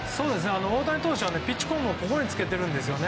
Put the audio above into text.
大谷投手はピッチコムをここにつけてるんですよね。